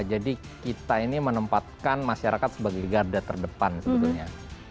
jadi kita ini menempatkan masyarakat sebagai garda terdepan sebetulnya